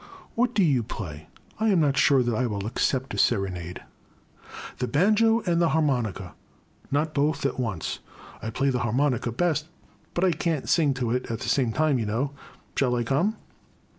What do you play ? I am not sure that I will accept a serenade. The banjo and the harmonica — not both at once. I play the harmonica best, but I can*t sing to it at the same time, you know. Shall I come